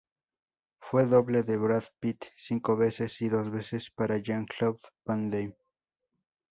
Fue doble de Brad Pitt cinco veces y dos veces para Jean-Claude Van Damme.